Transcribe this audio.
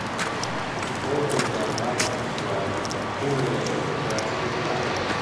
Fu sepolto nella Light square, una delle cinque piazze di Adelaide.